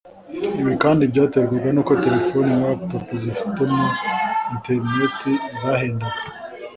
Ibi kandi byaterwaga n’uko telefoni na laptop zifitemo interineti zahendaga